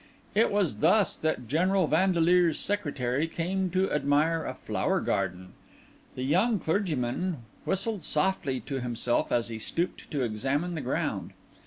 It was thus that General Vandeleur's secretary came to admire a flower garden! The young clergyman whistled softly to himself as he stooped to examine the ground.